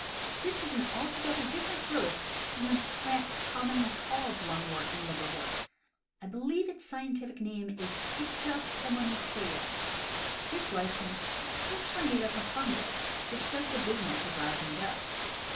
This is an altogether different growth from the plants com monly called lungwort and liverwort — I believe its scientific name is Stida pulmonacea. This lichen is partly made up of fungus, which does the business of raising dough.